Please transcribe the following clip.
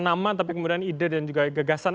nama tapi kemudian ide dan juga gagasan